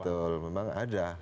betul memang ada